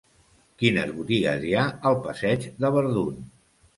Quines botigues hi ha al passeig de Verdun?